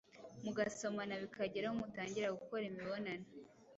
mu gasomana bikageraho mutangira gukora imibonano